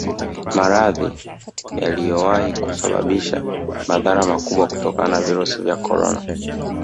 Maradhi yaliyowahi kusababisha madhara makubwa kutokana na virusi vya Corona